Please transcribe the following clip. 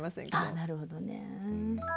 なるほどね。